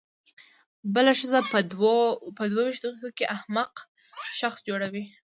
بله ښځه په دوه وېشتو دقیقو کې احمق شخص جوړوي.